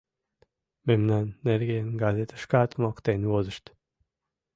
Мемнан нерген газетышкат моктен возышт.